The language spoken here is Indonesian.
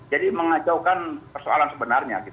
jadi mengajaukan persoalan sebenarnya